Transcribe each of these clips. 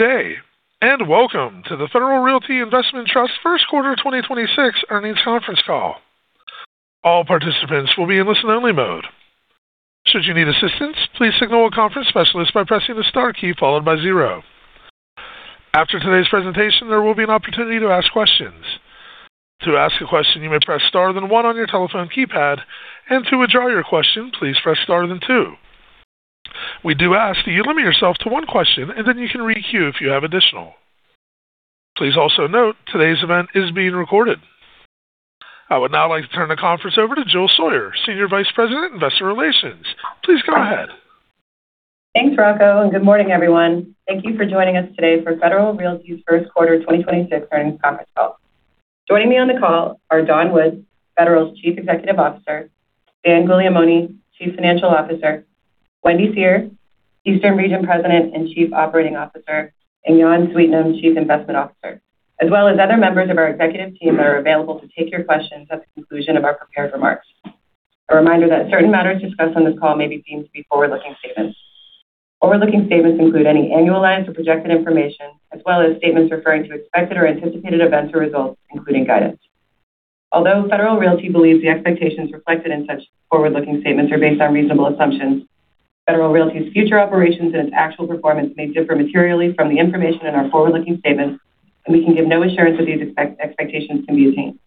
Day, and welcome to the Federal Realty Investment Trust First Quarter 2026 Earnings Conference Call. All participants will be in listen only mode. Should you need assistance, please signal a conference specialist by pressing the star key followed by zero. After today's presentation, there will be an opportunity to ask questions. To ask a question, you may press star then one on your telephone keypad, and to withdraw your question, please press star then two. We do ask that you limit yourself to one question, and then you can re-queue if you have additional. Please also note today's event is being recorded. I would now like to turn the conference over to Jill Sawyer, Senior Vice President, Investor Relations. Please go ahead. Thanks, Rocco, and good morning, everyone. Thank you for joining us today for Federal Realty's First Quarter 2026 Earnings Conference Call. Joining me on the call are Don Wood, Federal's Chief Executive Officer; Dan Guglielmone, Chief Financial Officer; Wendy Seher, Eastern Region President and Chief Operating Officer; and Jan Sweetnam, Chief Investment Officer. As well as other members of our executive team that are available to take your questions at the conclusion of our prepared remarks. A reminder that certain matters discussed on this call may be deemed to be forward-looking statements. Forward-looking statements include any annualized or projected information, as well as statements referring to expected or anticipated events or results, including guidance. Although Federal Realty believes the expectations reflected in such forward-looking statements are based on reasonable assumptions, Federal Realty's future operations and its actual performance may differ materially from the information in our forward-looking statements, and we can give no assurance that these expectations can be attained.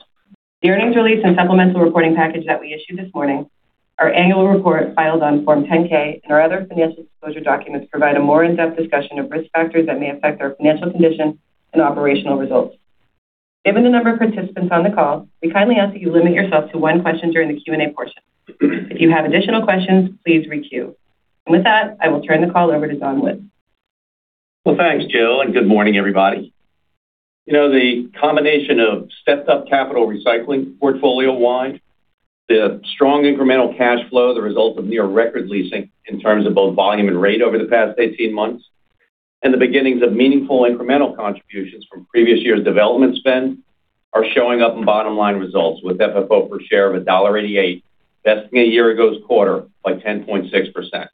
The earnings release and supplemental reporting package that we issued this morning, our annual report filed on Form 10-K and our other financial disclosure documents provide a more in-depth discussion of risk factors that may affect our financial condition and operational results. Given the number of participants on the call, we kindly ask that you limit yourself to one question during the Q&A portion. If you have additional questions, please re-queue. With that, I will turn the call over to Don Wood. Well, thanks, Jill, and good morning, everybody. You know, the combination of stepped-up capital recycling portfolio wide, the strong incremental cash flow, the result of near record leasing in terms of both volume and rate over the past 18 months, and the beginnings of meaningful incremental contributions from previous year's development spend are showing up in bottom-line results with FFO per share of $1.88, besting a year ago's quarter by 10.6%.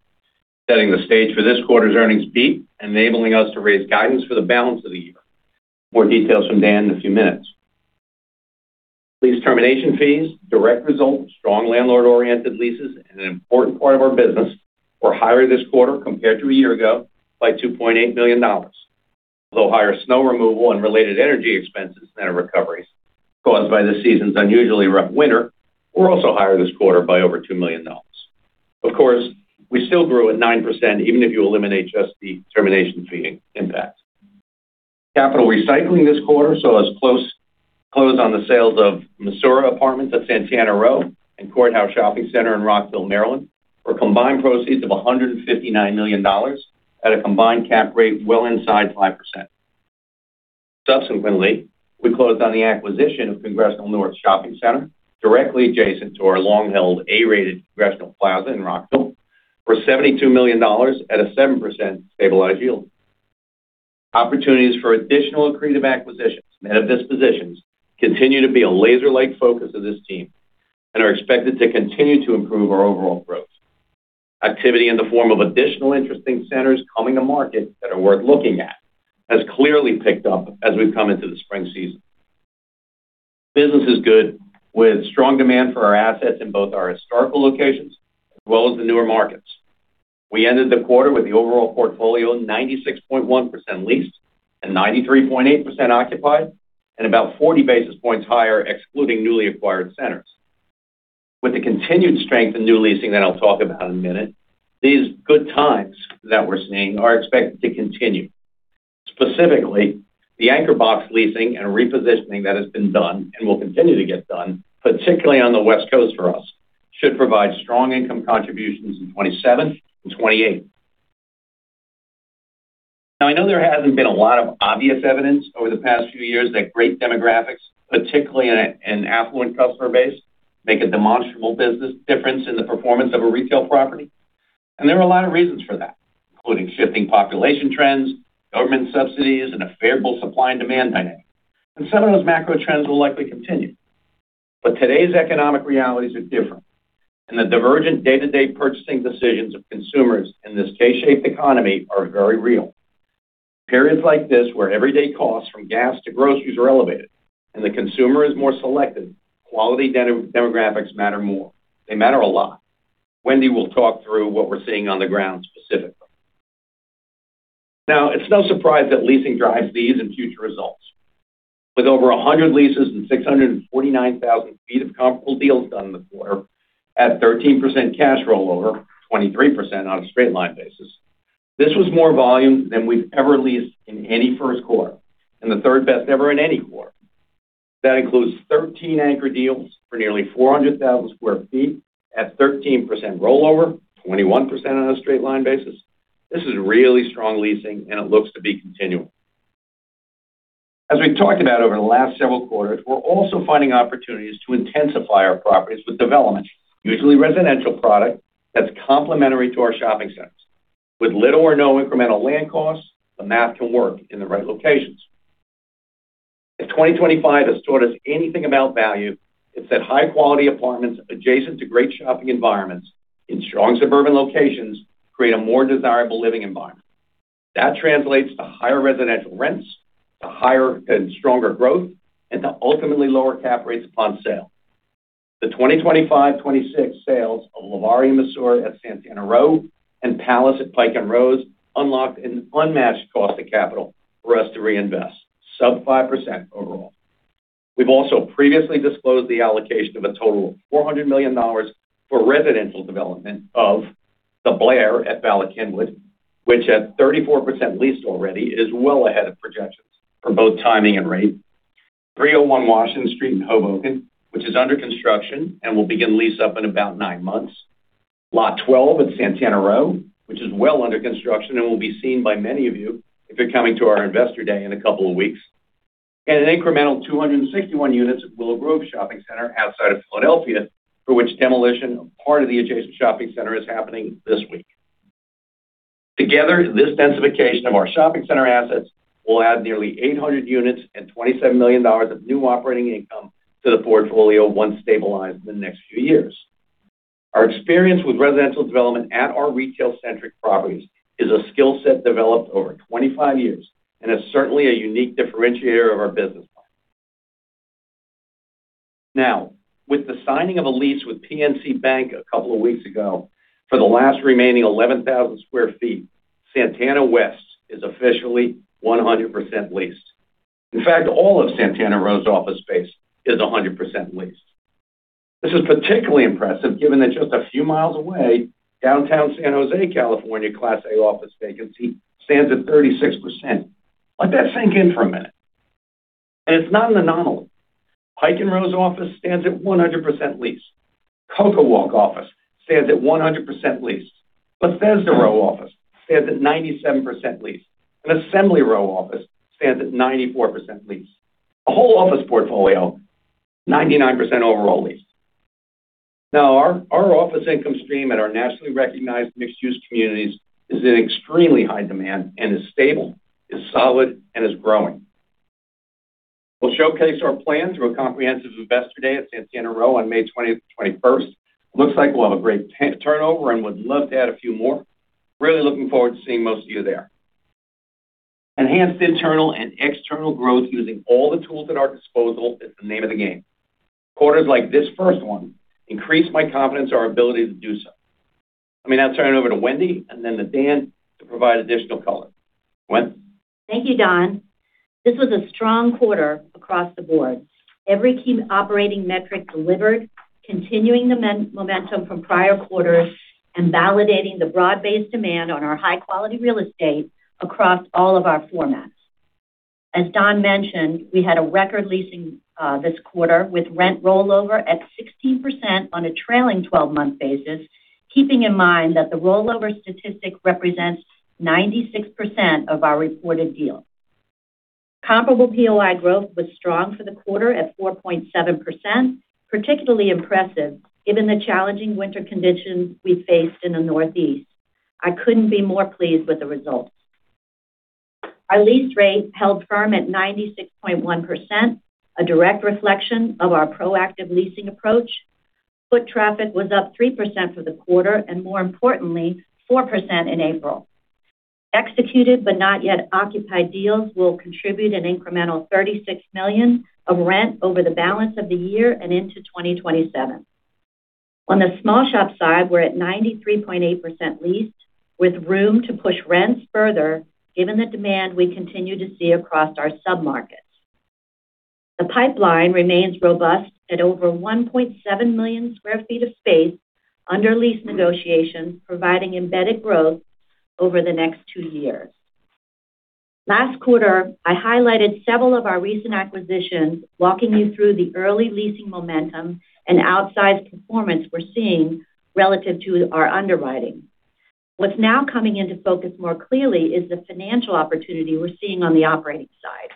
Setting the stage for this quarter's earnings beat, enabling us to raise guidance for the balance of the year. More details from Dan in a few minutes. These termination fees, direct result of strong landlord-oriented leases and an important part of our business were higher this quarter compared to a year ago by $2.8 million. Higher snow removal and related energy expenses than our recoveries caused by the season's unusually rough winter were also higher this quarter by over $2 million. Of course, we still grew at 9%, even if you eliminate just the termination fee impact. Capital recycling this quarter saw us close on the sales of Misora Apartments at Santana Row and Courthouse Shopping Center in Rockville, Maryland, for combined proceeds of $159 million at a combined cap rate well inside 5%. Subsequently, we closed on the acquisition of Congressional North Shopping Center, directly adjacent to our long-held A-rated Congressional Plaza in Rockville for $72 million at a 7% stabilized yield. Opportunities for additional accretive acquisitions and dispositions continue to be a laser-like focus of this team and are expected to continue to improve our overall growth. Activity in the form of additional interesting centers coming to market that are worth looking at has clearly picked up as we've come into the spring season. Business is good, with strong demand for our assets in both our historical locations as well as the newer markets. We ended the quarter with the overall portfolio 96.1% leased and 93.8% occupied and about 40 basis points higher, excluding newly acquired centers. With the continued strength in new leasing that I'll talk about in a minute, these good times that we're seeing are expected to continue. Specifically, the anchor box leasing and repositioning that has been done and will continue to get done, particularly on the West Coast for us, should provide strong income contributions in 2027 and 2028. I know there hasn't been a lot of obvious evidence over the past few years that great demographics, particularly in an affluent customer base, make a demonstrable business difference in the performance of a retail property. There are a lot of reasons for that, including shifting population trends, government subsidies, and a favorable supply and demand dynamic. Some of those macro trends will likely continue. Today's economic realities are different, and the divergent day-to-day purchasing decisions of consumers in this K-shaped economy are very real. Periods like this, where everyday costs from gas to groceries are elevated and the consumer is more selective, quality demographics matter more. They matter a lot. Wendy will talk through what we're seeing on the ground specifically. It's no surprise that leasing drives these and future results. With over 100 leases and 649,000 ft of comparable deals done in the quarter at 13% cash rollover, 23% on a straight-line basis. This was more volume than we've ever leased in any first quarter and the third best ever in any quarter. That includes 13 anchor deals for nearly 400,000 sq ft at 13% rollover, 21% on a straight-line basis. This is really strong leasing, and it looks to be continuing. As we've talked about over the last several quarters, we're also finding opportunities to intensify our properties with development, usually residential product that's complementary to our shopping centers. With little or no incremental land costs, the math can work in the right locations. If 2025 has taught us anything about value, it's that high-quality apartments adjacent to great shopping environments in strong suburban locations create a more desirable living environment. That translates to higher residential rents, to higher and stronger growth, and to ultimately lower cap rates upon sale. The 2025, 2026 sales of Levare Misora at Santana Row and Pallas at Pike & Rose unlocked an unmatched cost of capital for us to reinvest, sub 5% overall. We've also previously disclosed the allocation of a total of $400 million for residential development of The Blayr at Bala Cynwyd, which at 34% leased already is well ahead of projections for both timing and rate. 301 Washington Street in Hoboken, which is under construction and will begin lease-up in about nine months. Lot 12 at Santana Row, which is well under construction and will be seen by many of you if you're coming to our Investor Day in a couple of weeks. An incremental 261 units at Willow Grove Shopping Center outside of Philadelphia, for which demolition of part of the adjacent shopping center is happening this week. Together, this densification of our shopping center assets will add nearly 800 units and $27 million of new operating income to the portfolio once stabilized in the next few years. Our experience with residential development at our retail-centric properties is a skill set developed over 25 years and is certainly a unique differentiator of our business model. With the signing of a lease with PNC Bank a couple of weeks ago for the last remaining 11,000 sq ft, Santana West is officially 100% leased. In fact, all of Santana Row's office space is 100% leased. This is particularly impressive given that just a few miles away, downtown San Jose, California, Class A office vacancy stands at 36%. Let that sink in for a minute. It's not an anomaly. Pike & Rose Office stands at 100% leased. CocoWalk Office stands at 100% leased. Bethesda Row Office stands at 97% leased, and Assembly Row Office stands at 94% leased. The whole office portfolio, 99% overall leased. Now, our office income stream at our nationally recognized mixed-use communities is in extremely high demand and is stable, is solid, and is growing. We'll showcase our plan through a comprehensive investor day at Santana Row on May 20th, May 21st. Looks like we'll have a great turnout and would love to add a few more. Really looking forward to seeing most of you there. Enhanced internal and external growth using all the tools at our disposal is the name of the game. Quarters like this first one increase my confidence in our ability to do so. Let me now turn it over to Wendy and then to Dan to provide additional color. Wendy. Thank you, Don. This was a strong quarter across the board. Every key operating metric delivered, continuing the momentum from prior quarters and validating the broad-based demand on our high-quality real estate across all of our formats. As Don mentioned, we had a record leasing this quarter with rent rollover at 16% on a trailing 12-month basis, keeping in mind that the rollover statistic represents 96% of our reported deals. Comparable POI growth was strong for the quarter at 4.7%, particularly impressive given the challenging winter conditions we faced in the Northeast. I couldn't be more pleased with the results. Our lease rate held firm at 96.1%, a direct reflection of our proactive leasing approach. Foot traffic was up 3% for the quarter, and more importantly, 4% in April. Executed not yet occupied deals will contribute an incremental $36 million of rent over the balance of the year and into 2027. On the small shop side, we're at 93.8% leased with room to push rents further, given the demand we continue to see across our submarkets. The pipeline remains robust at over 1.7 million sq ft of space under lease negotiations, providing embedded growth over the next two years. Last quarter, I highlighted several of our recent acquisitions, walking you through the early leasing momentum and outsized performance we're seeing relative to our underwriting. What's now coming into focus more clearly is the financial opportunity we're seeing on the operating side.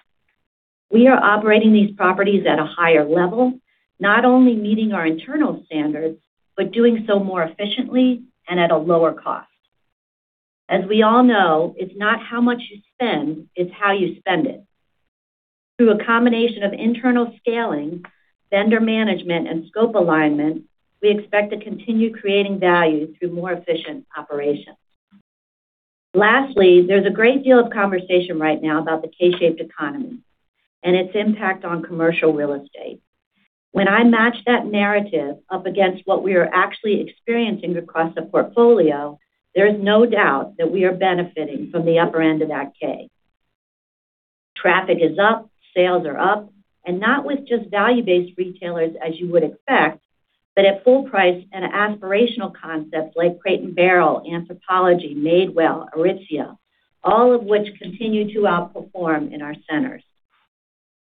We are operating these properties at a higher level, not only meeting our internal standards, but doing so more efficiently and at a lower cost. As we all know, it's not how much you spend, it's how you spend it. Through a combination of internal scaling, vendor management, and scope alignment, we expect to continue creating value through more efficient operations. There's a great deal of conversation right now about the K-shaped economy and its impact on commercial real estate. When I match that narrative up against what we are actually experiencing across the portfolio, there is no doubt that we are benefiting from the upper end of that K. Traffic is up, sales are up, not with just value-based retailers as you would expect, but at full price and aspirational concepts like Crate & Barrel, Anthropologie, Madewell, Aritzia, all of which continue to outperform in our centers.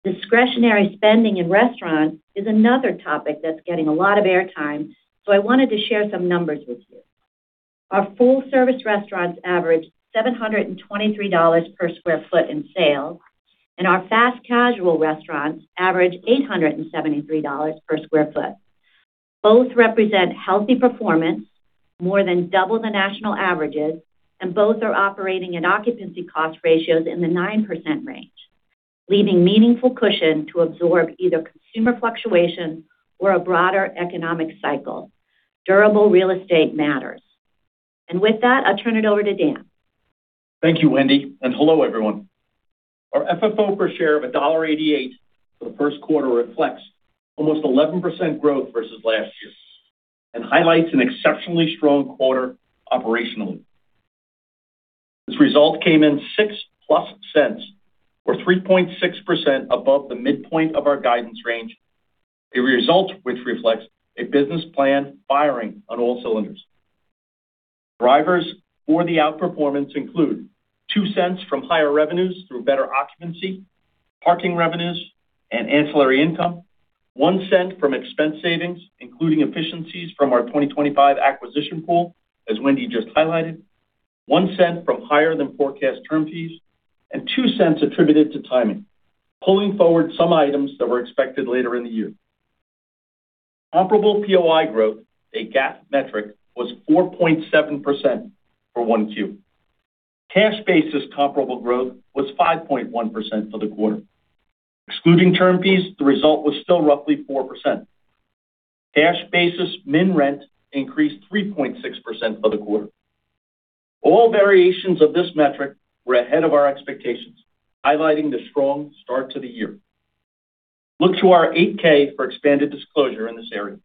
Discretionary spending in restaurants is another topic that's getting a lot of airtime, I wanted to share some numbers with you. Our full-service restaurants average $723 per square foot in sales, and our fast casual restaurants average $873 per square foot. Both represent healthy performance, more than double the national averages, and both are operating at occupancy cost ratios in the 9% range, leaving meaningful cushion to absorb either consumer fluctuation or a broader economic cycle. Durable real estate matters. With that, I'll turn it over to Dan. Thank you, Wendy. Hello, everyone. Our FFO per share of $1.88 for the first quarter reflects almost 11% growth versus last year and highlights an exceptionally strong quarter operationally. This result came in +$0.06, or 3.6% above the midpoint of our guidance range, a result which reflects a business plan firing on all cylinders. Drivers for the outperformance include $0.02 from higher revenues through better occupancy, parking revenues, and ancillary income. $0.01 from expense savings, including efficiencies from our 2025 acquisition pool, as Wendy just highlighted. $0.01 from higher than forecast term fees, and $0.02 attributed to timing, pulling forward some items that were expected later in the year. Comparable POI growth, a GAAP metric, was 4.7% for 1Q. Cash basis comparable growth was 5.1% for the quarter. Excluding term fees, the result was still roughly 4%. Cash basis min rent increased 3.6% for the quarter. All variations of this metric were ahead of our expectations, highlighting the strong start to the year. Look to our Form 8-K for expanded disclosure in this area.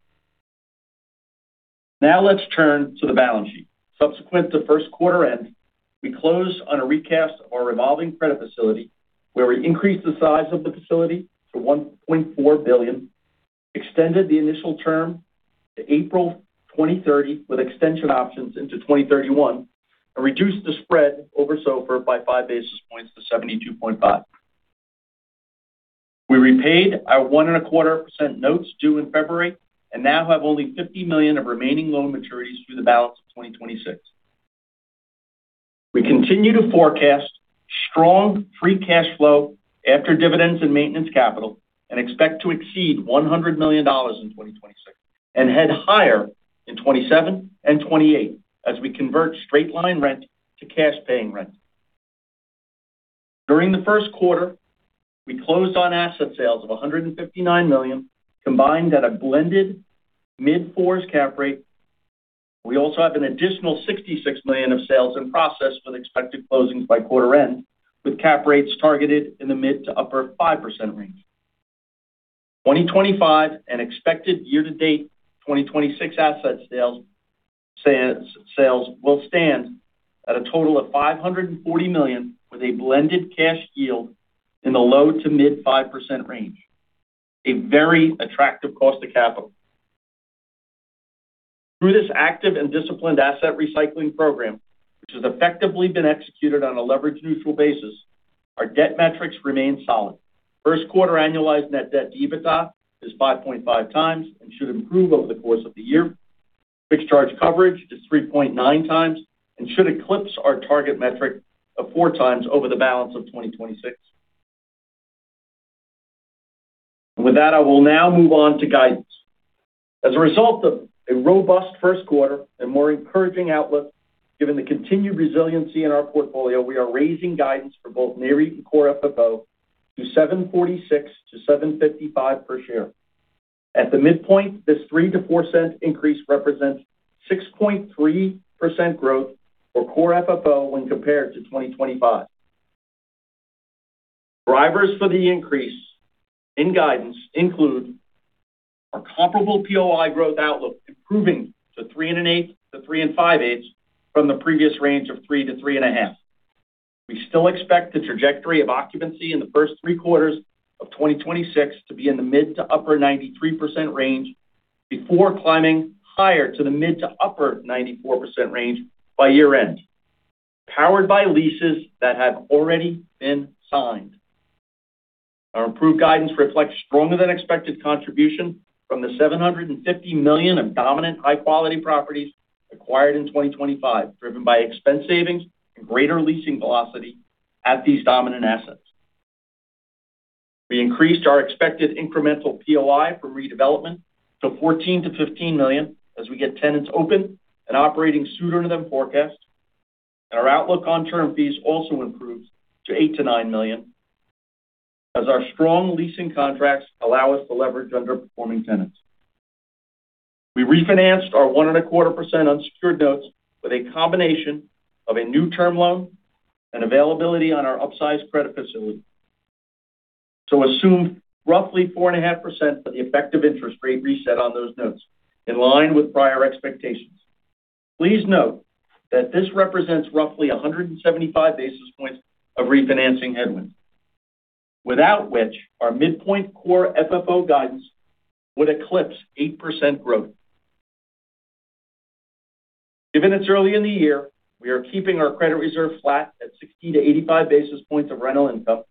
Now let's turn to the balance sheet. Subsequent to first quarter end, we closed on a recast of our revolving credit facility, where we increased the size of the facility to $1.4 billion, extended the initial term to April 2030 with extension options into 2031, and reduced the spread over SOFR by 5 basis points to 72.5 basis points. We repaid our 1.25% notes due in February and now have only $50 million of remaining loan maturities through the balance of 2026. We continue to forecast strong free cash flow after dividends and maintenance capital and expect to exceed $100 million in 2026 and head higher in 2027 and 2028 as we convert straight-line rent to cash paying rent. During the first quarter, we closed on asset sales of $159 million, combined at a blended mid-4s cap rate. We also have an additional $66 million of sales in process with expected closings by quarter end, with cap rates targeted in the mid to upper 5% range. 2025 and expected year to date 2026 asset sales will stand at a total of $540 million with a blended cash yield in the low to mid 5% range, a very attractive cost of capital. Through this active and disciplined asset recycling program, which has effectively been executed on a leverage neutral basis, our debt metrics remain solid. First quarter annualized net debt to EBITDA is 5.5x and should improve over the course of the year. Fixed charge coverage is 3.9x and should eclipse our target metric of 4x over the balance of 2026. With that, I will now move on to guidance. As a result of a robust first quarter and more encouraging outlook, given the continued resiliency in our portfolio, we are raising guidance for both NAREIT and core FFO to $7.46-$7.55 per share. At the midpoint, this $0.03-$0.04 increase represents 6.3% growth for core FFO when compared to 2025. Drivers for the increase in guidance include our comparable POI growth outlook improving to 3.125%-3.625% from the previous range of 3%-3.5%. We still expect the trajectory of occupancy in the first three quarters of 2026 to be in the mid to upper 93% range before climbing higher to the mid to upper 94% range by year end, powered by leases that have already been signed. Our improved guidance reflects stronger than expected contribution from the $750 million of dominant high quality properties acquired in 2025, driven by expense savings and greater leasing velocity at these dominant assets. We increased our expected incremental POI for redevelopment to $14 million-$15 million as we get tenants open and operating sooner than forecast. Our outlook on term fees also improved to $8 million-$9 million as our strong leasing contracts allow us to leverage underperforming tenants. We refinanced our 1.25% unsecured notes with a combination of a new term loan and availability on our upsized credit facility to assume roughly 4.5% for the effective interest rate reset on those notes, in line with prior expectations. Please note that this represents roughly 175 basis points of refinancing headwind, without which our midpoint core FFO guidance would eclipse 8% growth. Given it's early in the year, we are keeping our credit reserve flat at 60 basis points-85 basis points of rental income.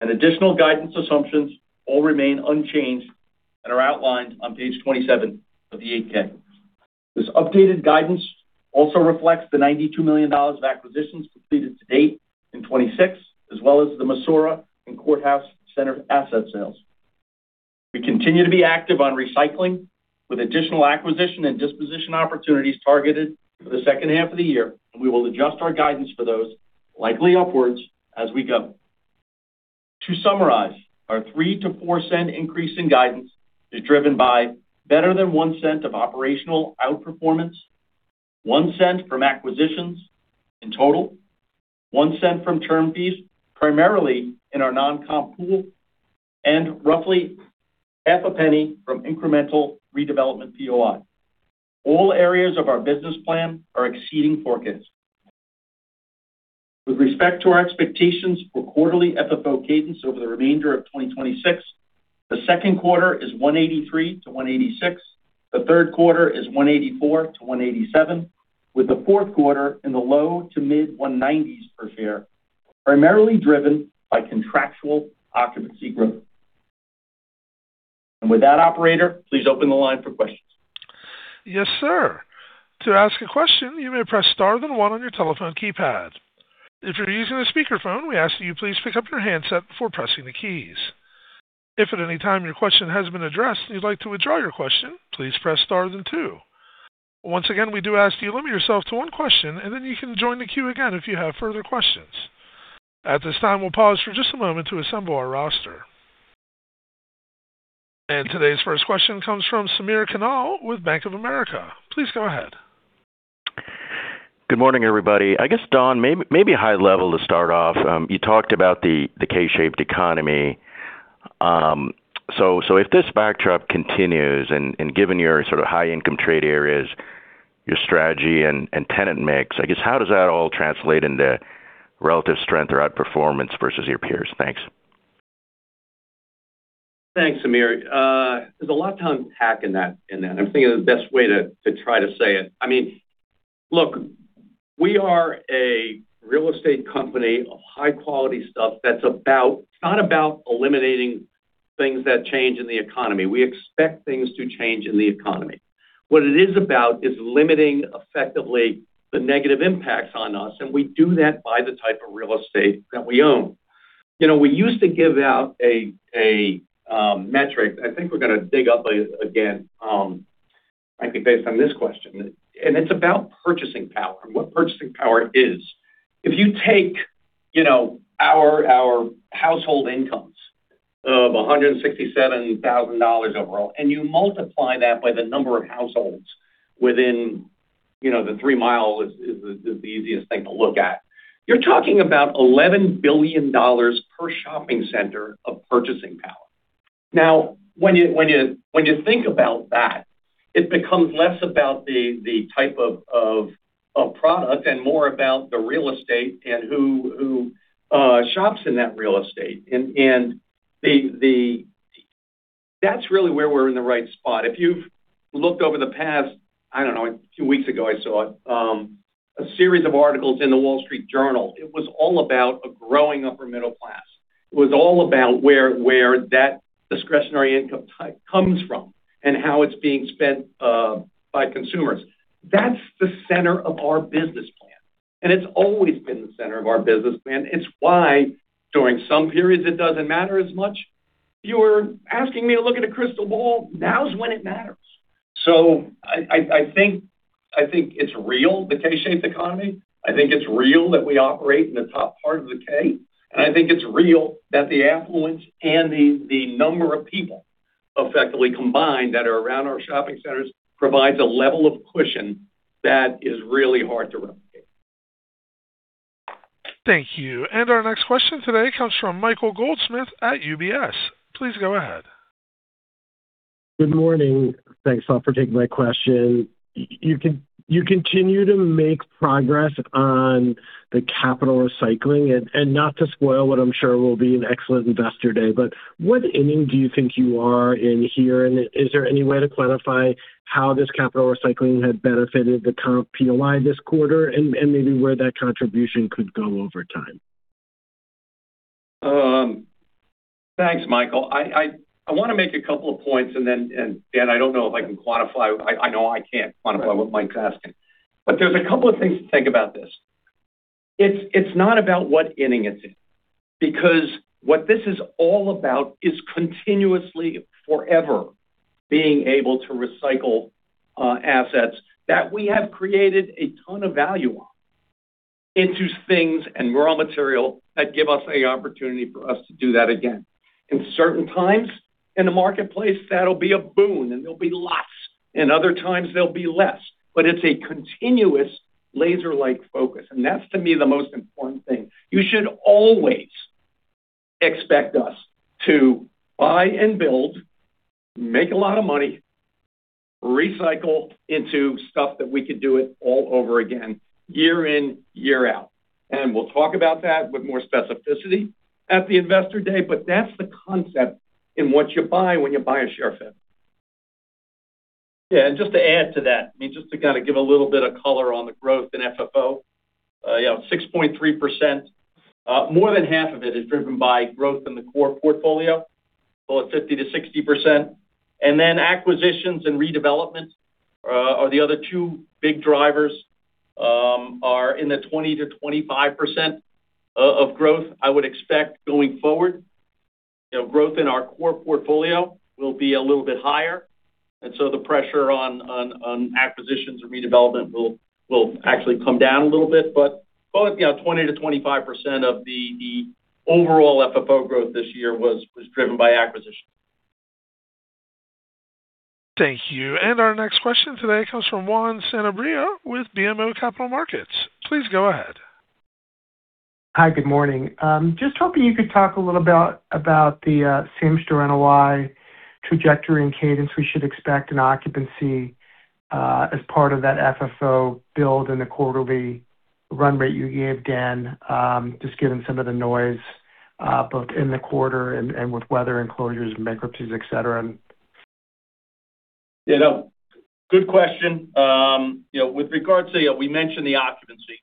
Additional guidance assumptions all remain unchanged and are outlined on page 27 of the Form 8-K. This updated guidance also reflects the $92 million of acquisitions completed to date in 2026, as well as the Misora and Courthouse Center asset sales. We continue to be active on recycling with additional acquisition and disposition opportunities targeted for the second half of the year, and we will adjust our guidance for those likely upwards as we go. To summarize, our $0.03-$0.04 increase in guidance is driven by better than $0.01 of operational outperformance, $0.01 from acquisitions in total, $0.01 from term fees, primarily in our non-comp pool, and roughly $0.005 from incremental redevelopment POI. All areas of our business plan are exceeding forecasts. With respect to our expectations for quarterly FFO cadence over the remainder of 2026, the second quarter is $1.83-$1.86. The third quarter is $1.84-$1.87, with the fourth quarter in the low to mid $1.90s per share, primarily driven by contractual occupancy growth. With that operator, please open the line for questions. Yes, sir. To ask a question, you may press star then one on your telephone keypad. If you're using a speakerphone, we ask that you please pick up your handset before pressing the keys. If at any time your question has been addressed and you'd like to withdraw your question, please press star then two. Once again, we do ask you limit yourself to one question and then you can join the queue again if you have further questions. At this time, we'll pause for just a moment to assemble our roster. Today's first question comes from Samir Khanal with Bank of America. Please go ahead. Good morning, everybody. I guess, Don, maybe a high level to start off. You talked about the K-shaped economy. If this backdrop continues and given your sort of high income trade areas, your strategy and tenant mix, I guess how does that all translate into relative strength or outperformance versus your peers? Thanks. Thanks, Samir. There's a lot to unpack in that. I'm thinking of the best way to try to say it. I mean, look, we are a real estate company of high-quality stuff it's not about eliminating things that change in the economy. We expect things to change in the economy. What it is about is limiting effectively the negative impacts on us, and we do that by the type of real estate that we own. You know, we used to give out a metric. I think we're gonna dig up again, I think based on this question, and it's about purchasing power and what purchasing power is. If you take, you know, our household incomes of $167,000 overall, and you multiply that by the number of households within, you know, the 3 mile is the easiest thing to look at. You're talking about $11 billion per shopping center of purchasing power. When you think about that, it becomes less about the type of product and more about the real estate and who shops in that real estate. That's really where we're in the right spot. If you've looked over the past, I don't know, two weeks ago, I saw a series of articles in The Wall Street Journal. It was all about a growing upper middle class. It was all about where that discretionary income type comes from and how it's being spent by consumers. That's the center of our business plan, and it's always been the center of our business plan. It's why during some periods it doesn't matter as much. You're asking me to look at a crystal ball, now's when it matters. I think it's real, the K-shaped economy. I think it's real that we operate in the top part of the K, and I think it's real that the affluence and the number of people effectively combined that are around our shopping centers provides a level of cushion that is really hard to replicate. Thank you. Our next question today comes from Michael Goldsmith at UBS. Please go ahead. Good morning. Thanks a lot for taking my question. You continue to make progress on the capital recycling. Not to spoil what I'm sure will be an excellent Investor Day, what inning do you think you are in here? Is there any way to quantify how this capital recycling had benefited the comp POI this quarter and maybe where that contribution could go over time? Thanks, Michael. I want to make a couple of points, and Dan, I don't know if I can quantify. I know I can't quantify what Mike's asking. There's a couple things to think about this. It's not about what inning it's in, because what this is all about is continuously, forever being able to recycle assets that we have created a ton of value on into things and raw material that give us an opportunity for us to do that again. In certain times in the marketplace, that'll be a boon, and there'll be lots, and other times there'll be less. It's a continuous laser-like focus, and that's, to me, the most important thing. You should always expect us to buy and build, make a lot of money, recycle into stuff that we could do it all over again, year in, year out. We'll talk about that with more specificity at the Investor Day. That's the concept in what you buy when you buy a share of it. Yeah. Just to add to that, I mean, just to kind of give a little bit of color on the growth in FFO. You know, 6.3%. More than half of it is driven by growth in the core portfolio, call it 50%-60%. Acquisitions and redevelopments are the other two big drivers, are in the 20%-25% of growth. I would expect going forward. You know, growth in our core portfolio will be a little bit higher, the pressure on acquisitions and redevelopment will actually come down a little bit. Follow, you know, 20%-25% of the overall FFO growth this year was driven by acquisitions. Thank you. Our next question today comes from Juan Sanabria with BMO Capital Markets. Please go ahead. Hi, good morning. Just hoping you could talk a little about the same-store NOI trajectory and cadence we should expect in occupancy, as part of that FFO build in the quarterly run rate you gave, Dan. Just given some of the noise, both in the quarter and with weather enclosures and bankruptcies, et cetera. Yeah, no, good question. You know, with regard to, you know, we mentioned the occupancy,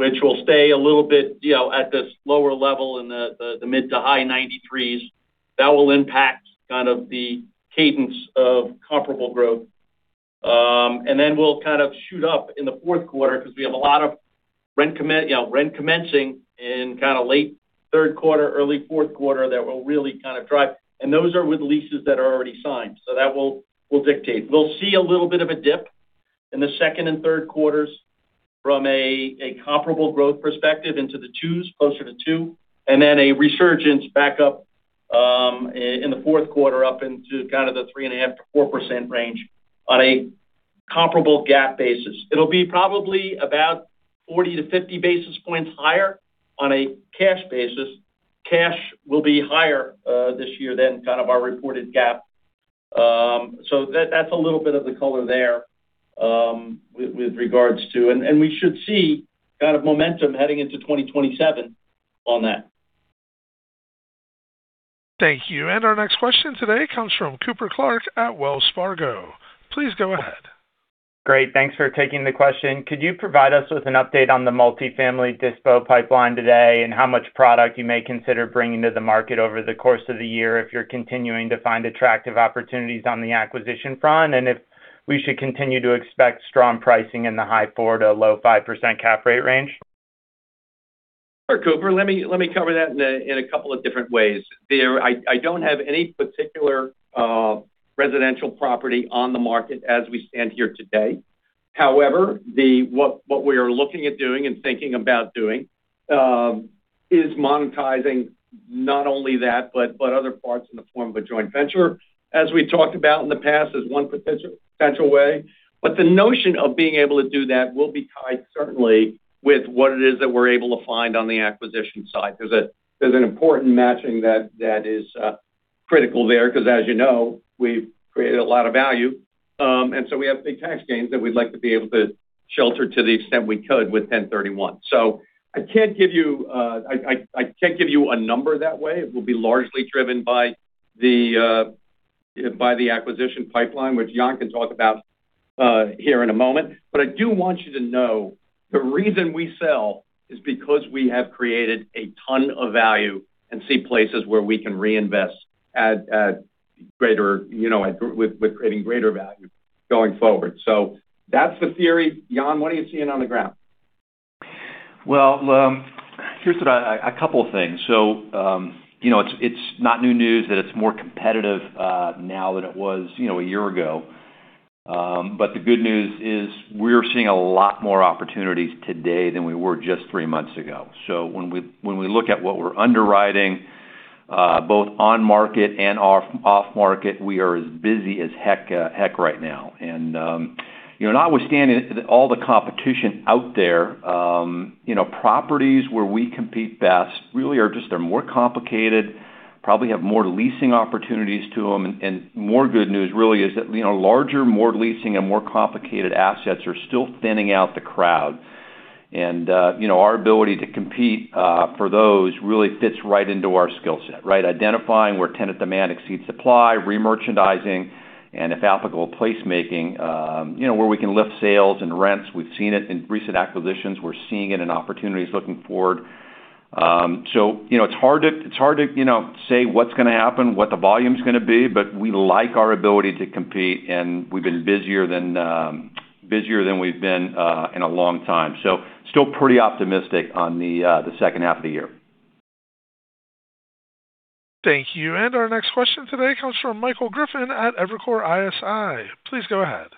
which will stay a little bit, you know, at this lower level in the mid to high 93s. That will impact kind of the cadence of comparable growth. We'll kind of shoot up in the fourth quarter because we have a lot of rent commencing in kind of late third quarter, early fourth quarter that will really kind of drive. Those are with leases that are already signed, so that will dictate. We'll see a little bit of a dip in the second and third quarters from a comparable growth perspective into the twos, closer to two, and then a resurgence back up in the fourth quarter, up into kind of the 3.5%-4% range on a comparable GAAP basis. It'll be probably about 40 basis points-50 basis points higher on a cash basis. Cash will be higher this year than kind of our reported GAAP. So that's a little bit of the color there. We should see kind of momentum heading into 2027 on that. Thank you. Our next question today comes from Cooper Clark at Wells Fargo. Please go ahead. Great. Thanks for taking the question. Could you provide us with an update on the multifamily dispo pipeline today, and how much product you may consider bringing to the market over the course of the year if you're continuing to find attractive opportunities on the acquisition front? If we should continue to expect strong pricing in the high 4%-low 5% cap rate range? Sure, Cooper. Let me cover that in a couple different ways. I don't have any particular residential property on the market as we stand here today. However, what we are looking at doing and thinking about doing is monetizing not only that but other parts in the form of a joint venture, as we talked about in the past, as one potential way. The notion of being able to do that will be tied certainly with what it is that we're able to find on the acquisition side. There's an important matching that is critical there, 'cause as you know, we've created a lot of value. We have big tax gains that we'd like to be able to shelter to the extent we could with 1031. I can't give you a number that way. It will be largely driven by the acquisition pipeline, which Jan can talk about here in a moment. I do want you to know the reason we sell is because we have created a ton of value and see places where we can reinvest at greater, you know, with creating greater value going forward. That's the theory. Jan, what are you seeing on the ground? Well, here's a couple of things. You know, it's not new news that it's more competitive now than it was, you know, a year ago. The good news is we're seeing a lot more opportunities today than we were just three months ago. When we look at what we're underwriting, both on market and off market, we are as busy as heck right now. You know, notwithstanding all the competition out there, you know, properties where we compete best really are more complicated, probably have more leasing opportunities to them. More good news really is that, you know, larger, more leasing and more complicated assets are still thinning out the crowd. You know, our ability to compete for those really fits right into our skill set, right? It involves identifying where tenant demand exceeds supply, remerchandising, and if applicable, placemaking, you know, where we can lift sales and rents. We've seen it in recent acquisitions. We're seeing it in opportunities looking forward. You know, it's hard to, you know, say what's gonna happen, what the volume's gonna be, but we like our ability to compete, and we've been busier than we've been in a long time. Still pretty optimistic on the second half of the year. Thank you. Our next question today comes from Michael Griffin at Evercore ISI. Please go ahead.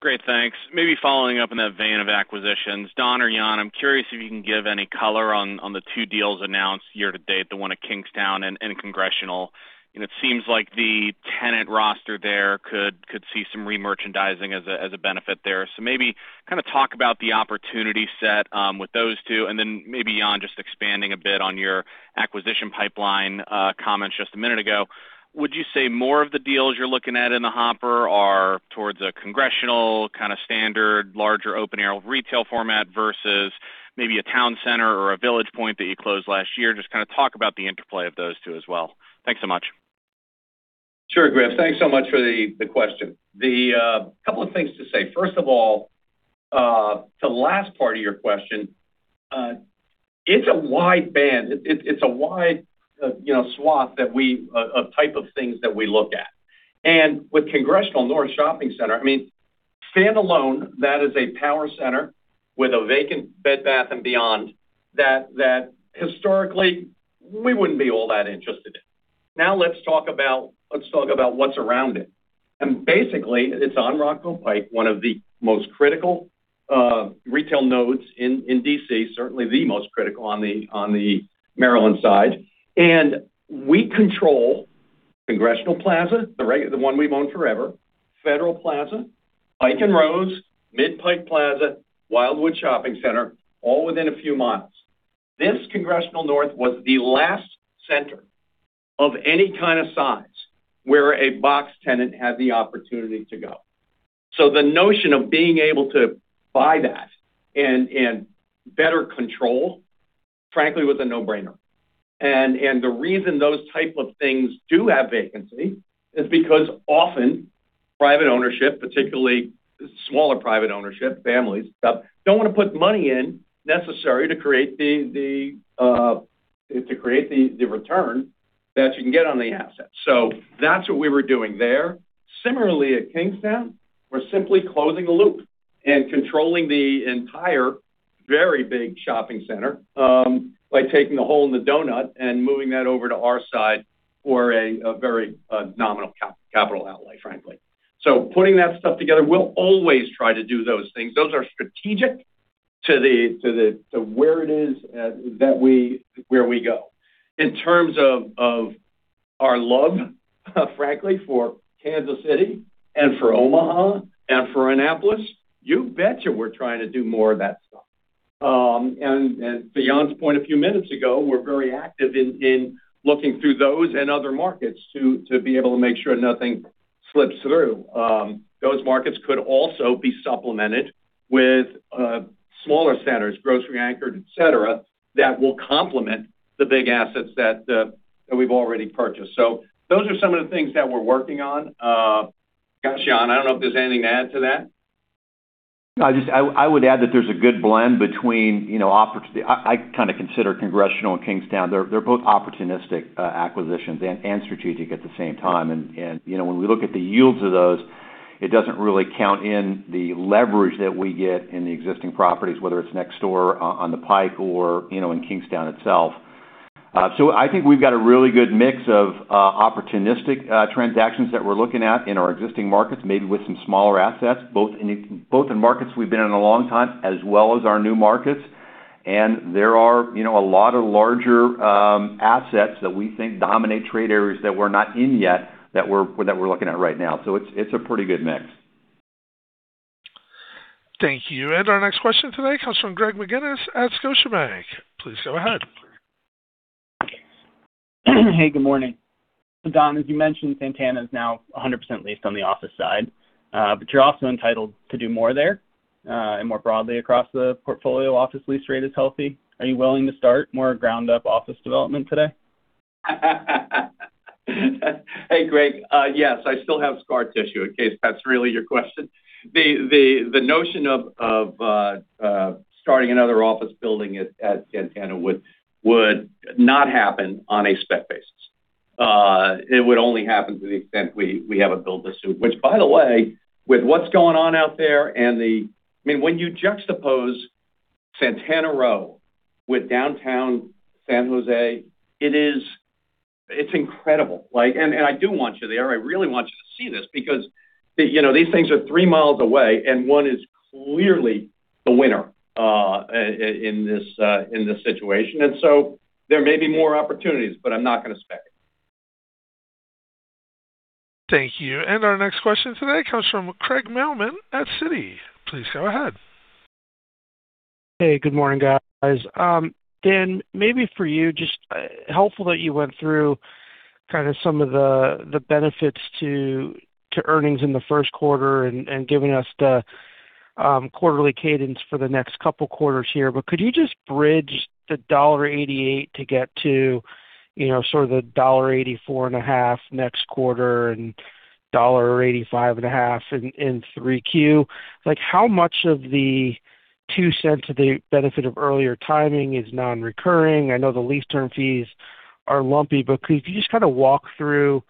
Great. Thanks. Maybe following up in that vein of acquisitions. Don or Jan, I'm curious if you can give any color on the two deals announced year-to-date, the one at Kingstowne and in Congressional. It seems like the tenant roster there could see some remerchandising as a benefit there. Maybe kind of talk about the opportunity set with those two, and then maybe, Jan, just expanding a bit on your acquisition pipeline comments just a minute ago. Would you say more of the deals you're looking at in the hopper are towards a Congressional kind of standard, larger open-air retail format versus maybe a town center or a Village Pointe that you closed last year? Just kind of talk about the interplay of those two as well. Thanks so much. Sure, Griffin, thanks so much for the question. The couple of things to say. First of all, to the last part of your question, it's a wide band. It's a wide, you know, swath type of things that we look at. With Congressional North Shopping Center, I mean, standalone, that is a power center with a vacant Bed Bath & Beyond that historically we wouldn't be all that interested in. Now let's talk about what's around it. Basically, it's on Rockville Pike, one of the most critical retail nodes in D.C., certainly the most critical on the Maryland side. We control Congressional Plaza, the one we've owned forever, Federal Plaza, Pike & Rose, MidPike Plaza, Wildwood Shopping Center, all within a few miles. This Congressional North was the last center of any kind of size where a box tenant had the opportunity to go. The notion of being able to buy that and better control, frankly, was a no-brainer. The reason those type of things do have vacancy is because often private ownership, particularly smaller private ownership, families, stuff, don't wanna put money in necessary to create the to create the return that you can get on the asset. That's what we were doing there. Similarly, at Kingstowne, we're simply closing the loop and controlling the entire very big shopping center, by taking a hole in the donut and moving that over to our side for a very nominal capital outlay, frankly. Putting that stuff together, we'll always try to do those things. Those are strategic to where it is that we go. In terms of our love, frankly, for Kansas City and for Omaha and for Annapolis, you betcha we're trying to do more of that stuff. To Jan's point a few minutes ago, we're very active in looking through those and other markets to be able to make sure nothing slips through. Those markets could also be supplemented with smaller centers, grocery anchored, et cetera, that will complement the big assets that we've already purchased. Those are some of the things that we're working on. Gosh, Jan, I don't know if there's anything to add to that. No, I would add that there's a good blend between, you know, I kinda consider Congressional and Kingstowne, they're both opportunistic acquisitions and strategic at the same time. You know, when we look at the yields of those, it doesn't really count in the leverage that we get in the existing properties, whether it's next door on the Pike or, you know, in Kingstowne itself. I think we've got a really good mix of opportunistic transactions that we're looking at in our existing markets, maybe with some smaller assets, both in markets we've been in a long time, as well as our new markets. There are, you know, a lot of larger assets that we think dominate trade areas that we're not in yet that we're looking at right now. It's a pretty good mix. Thank you. Our next question today comes from Greg McGinniss at Scotiabank. Please go ahead. Hey, good morning. Don, as you mentioned, Santana is now 100% leased on the office side. You're also entitled to do more there. More broadly across the portfolio office lease rate is healthy. Are you willing to start more ground-up office development today? Hey, Greg. Yes, I still have scar tissue, in case that's really your question. The notion of starting another office building at Santana Row would not happen on a spec basis. It would only happen to the extent we have a build to suit. Which, by the way, with what's going on out there and I mean, when you juxtapose Santana Row with downtown San Jose, It's incredible, right? I do want you there. I really want you to see this because, you know, these things are 3 miles away, one is clearly the winner in this situation. There may be more opportunities, but I'm not gonna spec. Thank you. Our next question today comes from Craig Mailman at Citi. Please go ahead. Hey, good morning, guys. Dan, maybe for you, just helpful that you went through kind of some of the benefits to earnings in the first quarter and giving us the quarterly cadence for the next couple quarters here. Could you just bridge the $1.88 to get to, you know, sort of the $1.845 next quarter and $1.855 in 3Q? Like, how much of the $0.02 of the benefit of earlier timing is non-recurring? I know the lease term fees are lumpy, but could you just kinda walk through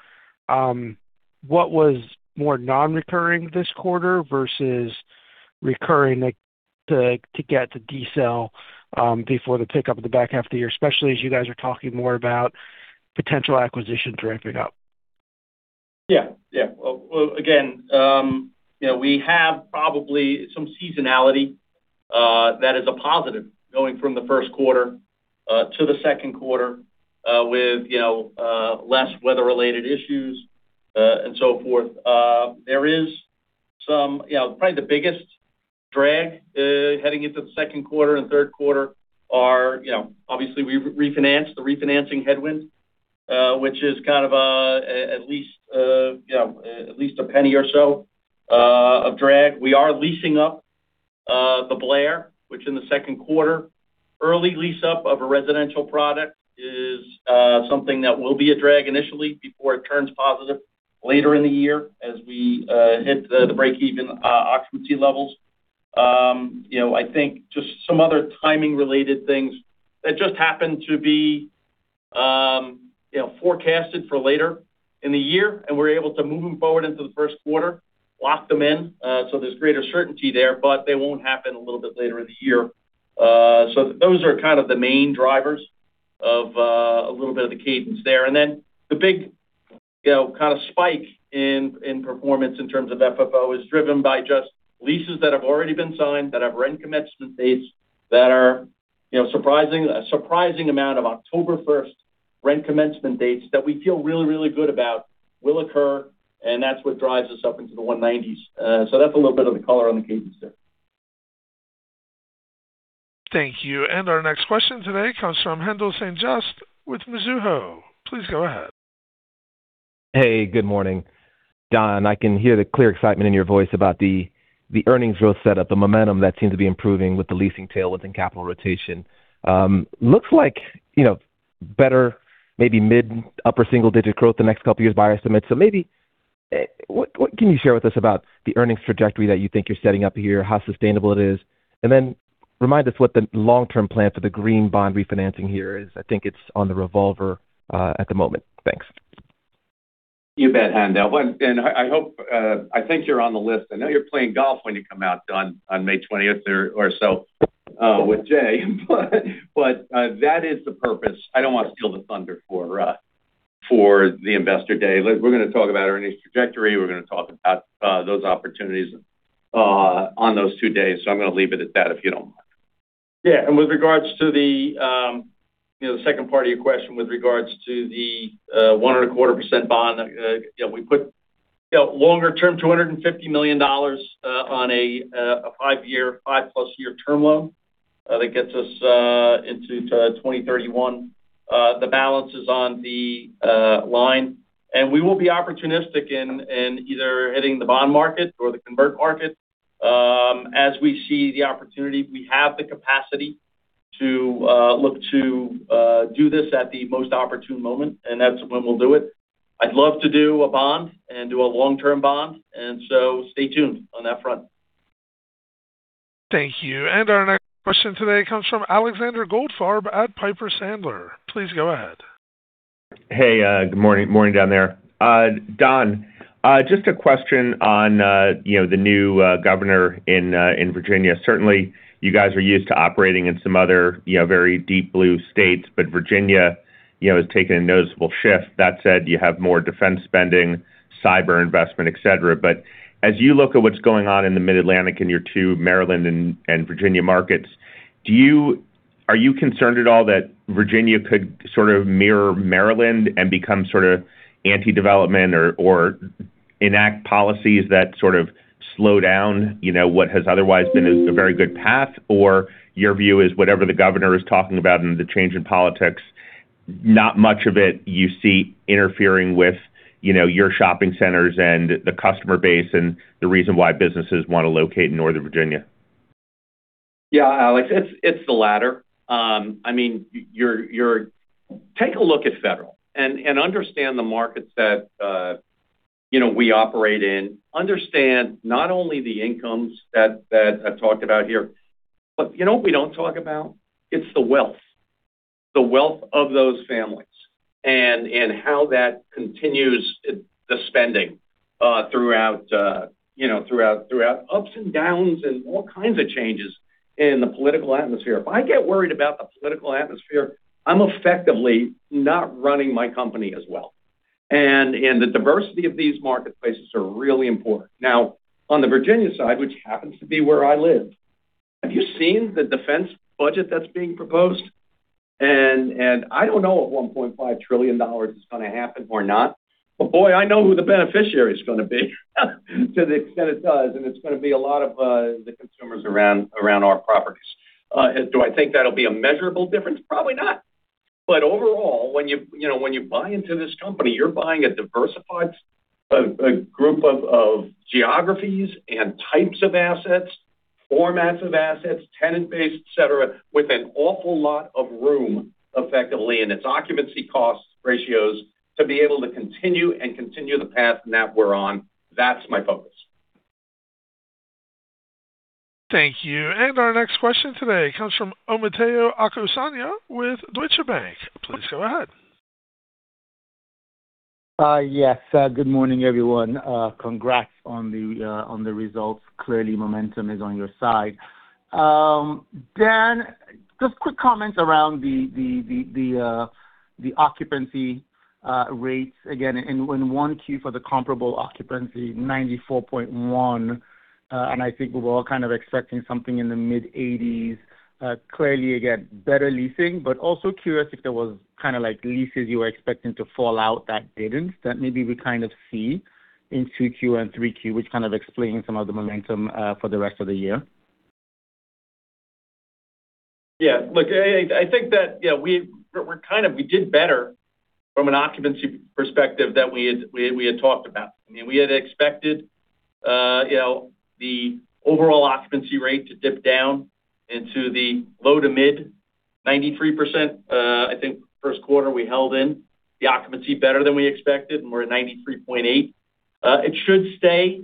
what was more non-recurring this quarter versus recurring, like, to get to decel before the pickup at the back half of the year, especially as you guys are talking more about potential acquisitions ramping up. Yeah. Well, again, you know, we have probably some seasonality that is a positive going from the first quarter to the second quarter with, you know, less weather-related issues and so forth. You know, probably the biggest drag heading into the second quarter and third quarter are, you know, obviously we refinanced, the refinancing headwind, which is kind of, at least, you know, at least $0.01 or so of drag. We are leasing up The Blayr, which in the second quarter, early lease up of a residential product is something that will be a drag initially before it turns positive later in the year as we hit the break-even occupancy levels. You know, I think just some other timing related things that just happened to be, you know, forecasted for later in the year, and we're able to move them forward into the first quarter, lock them in, so there's greater certainty there, but they won't happen a little bit later in the year. Those are kind of the main drivers of a little bit of the cadence there. Then the big, you know, kind of spike in performance in terms of FFO is driven by just leases that have already been signed, that have rent commencement dates that are, you know, a surprising amount of October 1st rent commencement dates that we feel really, really good about will occur, and that's what drives us up into the 190s. That's a little bit of the color on the cadence there. Thank you. Our next question today comes from Haendel St. Juste with Mizuho. Please go ahead. Hey, good morning. Don, I can hear the clear excitement in your voice about the earnings growth setup, the momentum that seems to be improving with the leasing tail within capital rotation. Looks like, you know, better maybe mid-upper single digit growth the next couple of years by our estimate. Maybe, what can you share with us about the earnings trajectory that you think you're setting up here, how sustainable it is? Then remind us what the long-term plan for the green bond refinancing here is. I think it's on the revolver at the moment. Thanks. You bet, Haendel. I hope, I think you're on the list. I know you're playing golf when you come out, [Don] on May 20th or so, with Jay. That is the purpose. I don't want to steal the thunder for the Investor Day. We're, we're gonna talk about earnings trajectory. We're gonna talk about, those opportunities, on those two days. I'm gonna leave it at that, if you don't mind. Yeah. With regards to the, you know, the second part of your question with regards to the 1.25% bond, you know, we put, you know, longer-term $250 million on a five-year, five-plus year term loan that gets us into, to 2031. The balance is on the line. We will be opportunistic in either hitting the bond market or the convert market. As we see the opportunity, we have the capacity to look to do this at the most opportune moment. That's when we'll do it. I'd love to do a bond and do a long-term bond. Stay tuned on that front. Thank you. Our next question today comes from Alexander Goldfarb at Piper Sandler. Please go ahead. Hey, good morning down there. Don, just a question on, you know, the new governor in Virginia. Certainly, you guys are used to operating in some other, you know, very deep blue states, but Virginia, you know, has taken a noticeable shift. That said, you have more defense spending, cyber investment, et cetera. As you look at what's going on in the Mid-Atlantic in your two Maryland and Virginia markets, are you concerned at all that Virginia could sort of mirror Maryland and become sort of anti-development or enact policies that sort of slow down, you know, what has otherwise been a very good path? Your view is whatever the governor is talking about and the change in politics, not much of it you see interfering with, you know, your shopping centers and the customer base and the reason why businesses want to locate in Northern Virginia. Alex, it's the latter. I mean, take a look at Federal Realty and understand the markets that, you know, we operate in. Understand not only the incomes that I've talked about here, but you know what we don't talk about? It's the wealth of those families and how that continues the spending throughout, you know, ups and downs and all kinds of changes in the political atmosphere. If I get worried about the political atmosphere, I'm effectively not running my company as well. The diversity of these marketplaces are really important. Now, on the Virginia side, which happens to be where I live, have you seen the defense budget that's being proposed? I don't know if $1.5 trillion is gonna happen or not. Boy, I know who the beneficiary is gonna be to the extent it does, and it's gonna be a lot of the consumers around our properties. Do I think that'll be a measurable difference? Probably not. Overall, when you know, when you buy into this company, you're buying a diversified, a group of geographies and types of assets, formats of assets, tenant base, et cetera, with an awful lot of room effectively in its occupancy cost ratios to be able to continue the path that we're on. That's my focus. Thank you. Our next question today comes from Omotayo Okusanya with Deutsche Bank. Please go ahead. Yes. Good morning, everyone. Congrats on the results. Clearly, momentum is on your side. Dan, just quick comments around the occupancy rates. Again, in 1Q for the comparable occupancy, 94.1%. I think we were all kind of expecting something in the mid-80s. Clearly, again, better leasing. Also curious if there was kinda like leases you were expecting to fall out that didn't. Maybe we kind of see in 2Q and 3Q, which kind of explains some of the momentum for the rest of the year. I think that we're kind of we did better from an occupancy perspective than we had talked about. I mean, we had expected, you know, the overall occupancy rate to dip down into the low to mid-93%. I think first quarter we held in the occupancy better than we expected, and we're at 93.8%. It should stay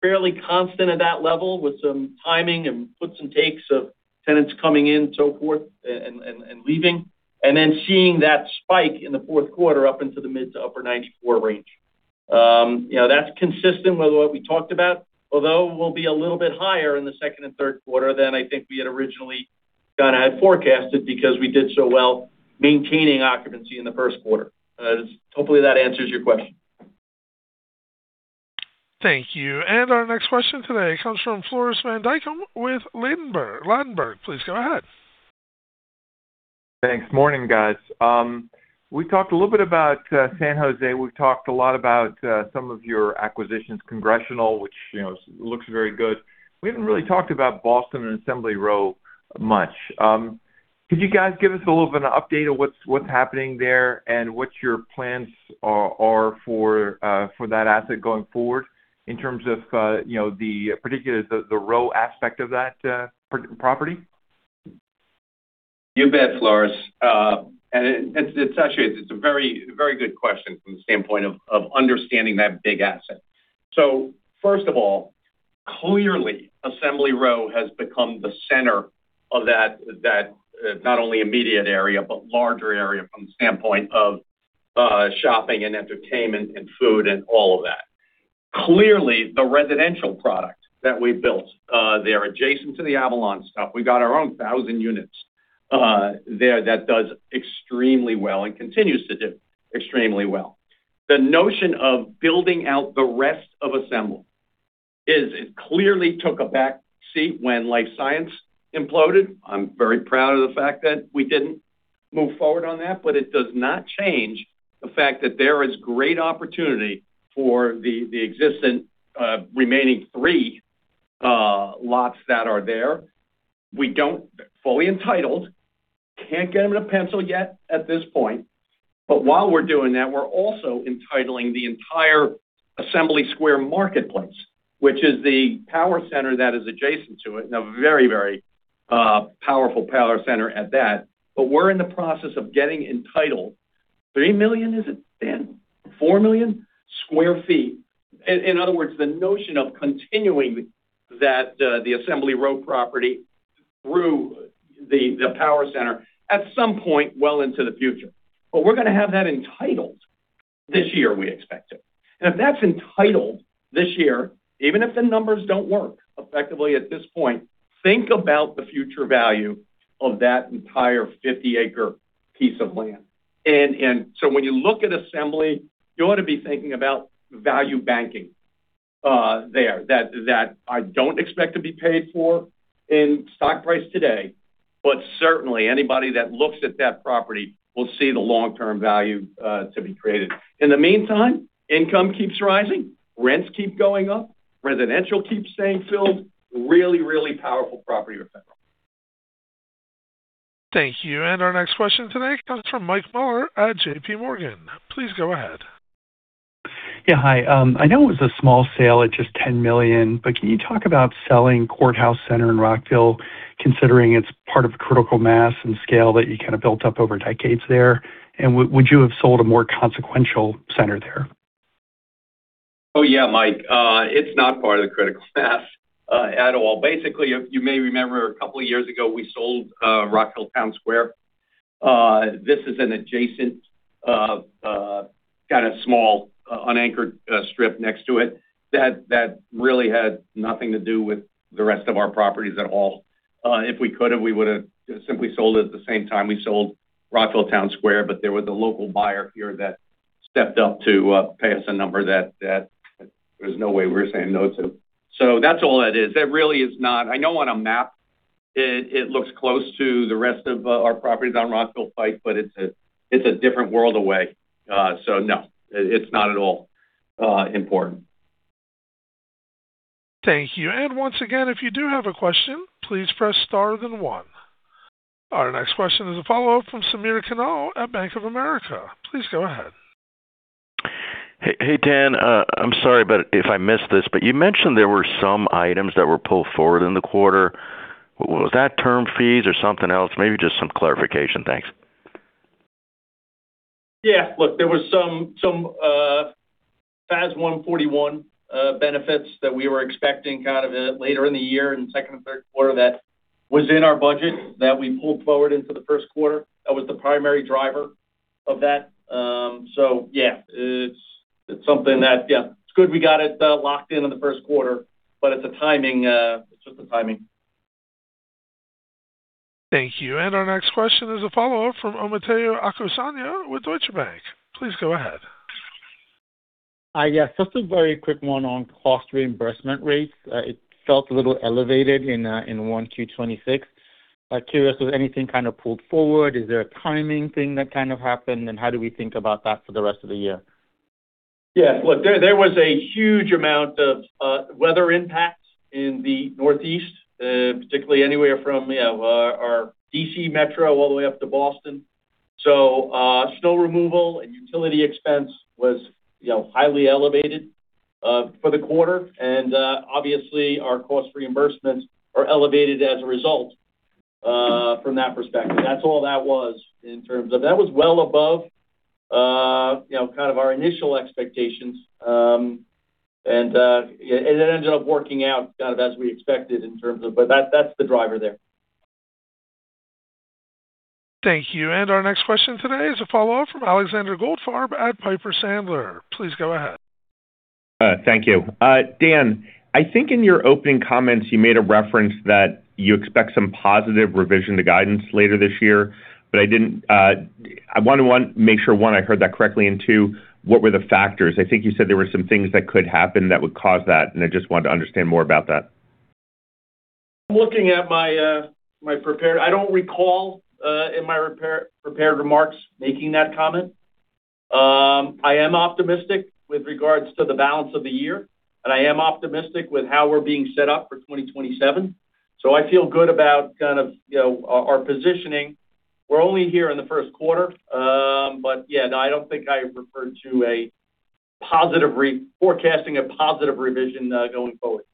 fairly constant at that level with some timing and puts and takes of tenants coming in, so forth, and leaving. Seeing that spike in the fourth quarter up into the mid to upper 94% range. You know, that's consistent with what we talked about, although we'll be a little bit higher in the second and third quarter than I think we had originally kinda had forecasted because we did so well maintaining occupancy in the first quarter. Hopefully, that answers your question. Thank you. Our next question today comes from Floris van Dijkum with Ladenburg. Please go ahead. Thanks. Morning, guys. We talked a little bit about San Jose. We've talked a lot about some of your acquisitions, Congressional, which, you know, looks very good. We haven't really talked about Boston and Assembly Row much. Could you guys give us a little bit of an update on what's happening there and what your plans are for that asset going forward in terms of, you know, the row aspect of that property? You bet, Floris. It's actually, it's a very, very good question from the standpoint of understanding that big asset. First of all, clearly, Assembly Row has become the center of that, not only immediate area, but larger area from the standpoint of shopping and entertainment and food and all of that. Clearly, the residential product that we built there adjacent to the Avalon stuff, we got our own 1,000 units there that does extremely well and continues to do extremely well. The notion of building out the rest of Assembly is it clearly took a back seat when life science imploded. I'm very proud of the fact that we didn't move forward on that, it does not change the fact that there is great opportunity for the existing remaining three lots that are there. We don't fully entitled, can't get them in a pencil yet at this point. While we're doing that, we're also entitling the entire Assembly Square Marketplace, which is the power center that is adjacent to it, and a very powerful power center at that. We're in the process of getting entitled. 3 million, is it, Dan? 4 million sq ft. In other words, the notion of continuing that, the Assembly Row property through the power center at some point well into the future. We're gonna have that entitled this year, we expect to. If that's entitled this year, even if the numbers don't work effectively at this point, think about the future value of that entire 50-acre piece of land. When you look at Assembly, you ought to be thinking about value banking there. That I don't expect to be paid for in stock price today. Certainly anybody that looks at that property will see the long-term value to be created. In the meantime, income keeps rising, rents keep going up, residential keeps staying filled. Really powerful property with that. Thank you. Our next question today comes from Mike Mueller at JPMorgan. Please go ahead. Yeah, hi. I know it was a small sale at just $10 million, but can you talk about selling Courthouse Center in Rockville, considering it's part of critical mass and scale that you kind of built up over decades there? Would you have sold a more consequential center there? Oh, yeah, Mike. It's not part of the critical mass at all. Basically, you may remember a couple of years ago, we sold Rockville Town Square. This is an adjacent, kind of small, unanchored strip next to it that really had nothing to do with the rest of our properties at all. If we could have, we would have simply sold it at the same time we sold Rockville Town Square, but there was a local buyer here that stepped up to pay us a number that there's no way we were saying no to. That's all that is. That really is not, I know on a map it looks close to the rest of our properties on Rockville Pike, but it's a different world away. No, it's not at all important. Thank you. Once again, if you do have a question, please press star then one. Our next question is a follow-up from Samir Khanal at Bank of America. Please go ahead. Hey, Dan. I'm sorry if I missed this, you mentioned there were some items that were pulled forward in the quarter. Was that term fees or something else? Maybe just some clarification. Thanks. Look, there was some FAS 141 benefits that we were expecting kind of later in the year in second and third quarter that was in our budget that we pulled forward into the first quarter. That was the primary driver of that. It's something that it's good we got it locked in in the first quarter, but it's just a timing. Thank you. Our next question is a follow-up from Omotayo Okusanya with Deutsche Bank. Please go ahead. Yes, just a very quick one on cost reimbursement rates. It felt a little elevated in 1Q 2026. Curious, was anything kind of pulled forward? Is there a timing thing that kind of happened? How do we think about that for the rest of the year? Yes. Look, there was a huge amount of weather impacts in the Northeast, particularly anywhere from, you know, our D.C. Metro all the way up to Boston. Snow removal and utility expense was, you know, highly elevated for the quarter. Obviously, our cost reimbursements are elevated as a result from that perspective. That was well above, you know, kind of our initial expectations. It ended up working out kind of as we expected. That's the driver there. Thank you. Our next question today is a follow-up from Alexander Goldfarb at Piper Sandler. Please go ahead. Thank you. Dan, I think in your opening comments, you made a reference that you expect some positive revision to guidance later this year. I wanted to make sure I heard that correctly. Two, what were the factors? I think you said there were some things that could happen that would cause that. I just wanted to understand more about that. I don't recall in my prepared remarks making that comment. I am optimistic with regards to the balance of the year, and I am optimistic with how we're being set up for 2027. I feel good about kind of, you know, our positioning. We're only here in the first quarter. Yeah, no, I don't think I referred to forecasting a positive revision going forward.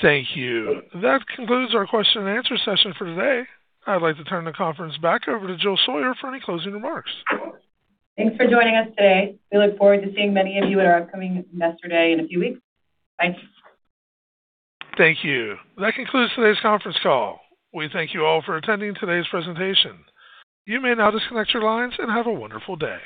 Thank you. That concludes our question and answer session for today. I'd like to turn the conference back over to Jill Sawyer for any closing remarks. Thanks for joining us today. We look forward to seeing many of you at our upcoming Investor Day in a few weeks. Bye. Thank you. That concludes today's conference call. We thank you all for attending today's presentation. You may now disconnect your lines and have a wonderful day.